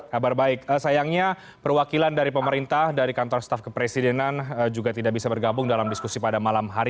kabar baik sayangnya perwakilan dari pemerintah dari kantor staf kepresidenan juga tidak bisa bergabung dalam diskusi pada malam hari